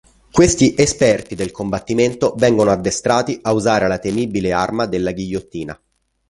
Questi esperti del combattimento vengono addestrati a usare la temibile arma della ghigliottina.